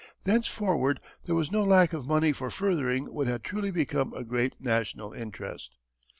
Thenceforward there was no lack of money for furthering what had truly become a great national interest.